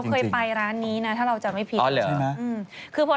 เราเคยไปร้านนี้นะถ้าเราจำไม่ผิด